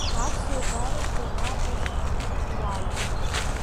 Аԥсуа гарашәа иааӡаз ишәуалуп…